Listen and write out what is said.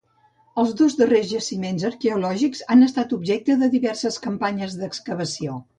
Els dos darrers jaciments arqueològics han estat objecte de diverses campanyes d'excavació.